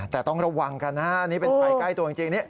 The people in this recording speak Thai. แต่ต้องระวังนะนี่เป็นไข่ใกล้ตัวจริง